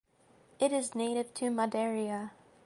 It is native to Madeira.